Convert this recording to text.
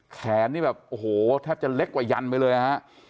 แขนเนี้ยแบบโอ้โหถ้าจะเล็กกว่ายันไปเลยฮะ